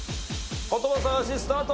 言葉探しスタート！